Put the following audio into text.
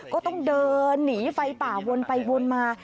ก็ต้องเดินหนีไฟป่าวนไปวนมา